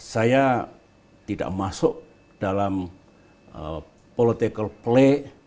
saya tidak masuk dalam political play